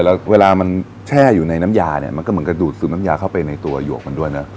แล้วเวลามันแช่อยู่ในน้ำยาเนี่ยมันก็เหมือนกระดูกซึมน้ำยาเข้าไปในตัวหยวกมันด้วยนะ